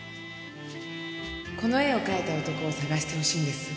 この絵を描いた男を探してほしいんです。